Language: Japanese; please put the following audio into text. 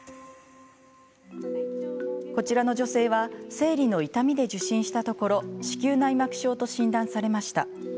こちらの女性は生理の痛みで受診したところ子宮内膜症と診断されました。